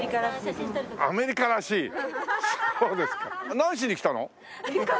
何しに来たの？